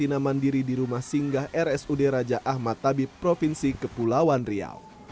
sina mandiri di rumah singgah rsud raja ahmad tabib provinsi kepulauan riau